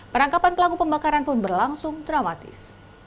penangkapan pelaku pembakaran pun berlangsung dramatis